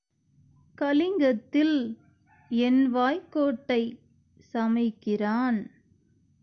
கலிங்கத்தில் எண்வாய்க் கோட்டை சமைக்கிறான்